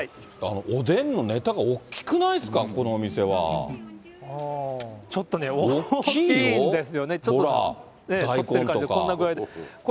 おでんのねたが大きくないですか、このちょっとね、大きいんですよね。